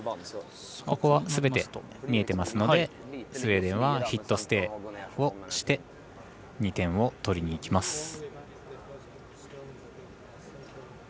ここはすべて見えてますのでスウェーデンはヒットステイをして２点を取りにいきます。